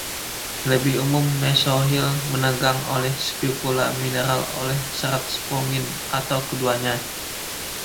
Lebih umum, mesohil menegang oleh spikula mineral, oleh serat spongin atau keduanya